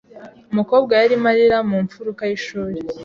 Umukobwa yarimo arira mu mfuruka y'ishuri.